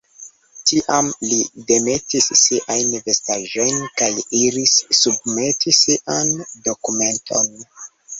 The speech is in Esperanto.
Tiam, li demetis siajn vestaĵojn kaj iris submeti sian dokumenton.